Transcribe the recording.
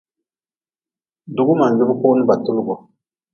Dugu man jubi kun ba tulgu.